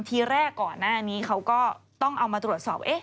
ทีแรกก่อนหน้านี้เขาก็ต้องเอามาตรวจสอบ